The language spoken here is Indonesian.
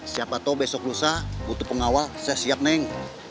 siapa tahu besok lusa butuh pengawal saya siap neng